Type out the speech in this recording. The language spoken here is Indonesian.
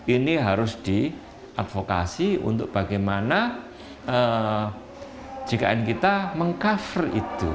ini harus diadvokasi untuk bagaimana jkn kita meng cover itu